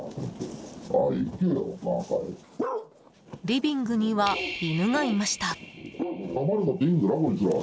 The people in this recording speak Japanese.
リビングには犬がいました。